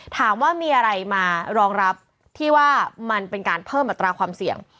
ถามว่ามีอะไรมารองรับที่ว่ามันเป็นการเพิ่มอัตราความเสี่ยง